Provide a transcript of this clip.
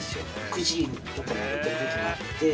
９時とかに上げてる時もあって。